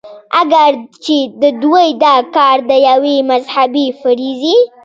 اګر چې د دوي دا کار د يوې مذهبي فريضې